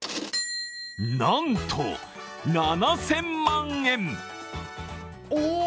なんと７０００万円！